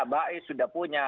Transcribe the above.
ba'is sudah punya